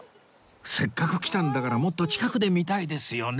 せっかく来たんだからもっと近くで見たいですよね